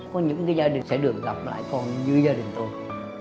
có những gia đình sẽ được gặp lại con như gia đình tôi